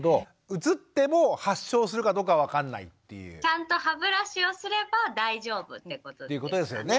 ちゃんと歯ブラシをすれば大丈夫ってこと？ということですよね。